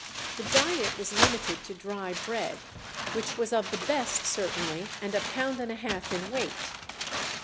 The diet was limited to dry bread, which was of the best certainly, and a pound and a half in weight.